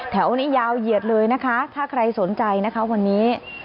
แถวนี้ยาวเหยียดเลยนะคะถ้าใครสนใจนะคะวันนี้